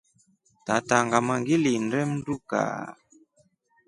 Tata ngama ngilimnde mndu kaa.